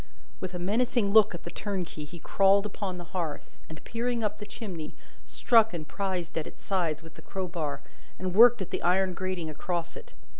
With a menacing look at the turnkey he crawled upon the hearth, and, peering up the chimney, struck and prised at its sides with the crowbar, and worked at the iron grating across it.